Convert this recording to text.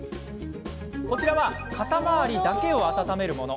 こちらは肩回りだけを温めるもの。